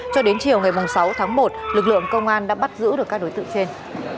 cho đến chiều sáu một lực lượng công an đã bắt giữ được các đối tượng trên